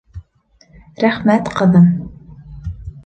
Рәхмәт, ҡыҙым!